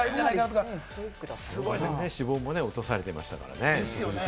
脂肪も落とされてましたからね。